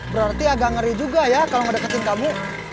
berarti agak ngeri juga ya kalau gak deketin kamu